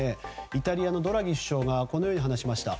イタリアのドラギ首相がこのように話しました。